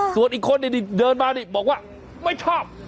ส่วนอีกคนเดี๋ยวเดินมาบอกว่าไม่ชอบ